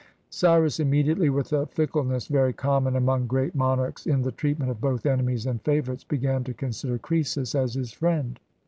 Cyrus immediately, with a fickleness very common among great monarchs in the treatment of both enemies and favorites, began to consider Croesus as his friend.